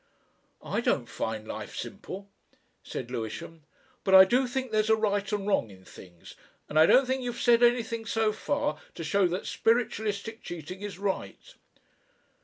"I don't find life simple," said Lewisham, "but I do think there's a Right and a Wrong in things. And I don't think you have said anything so far to show that spiritualistic cheating is Right."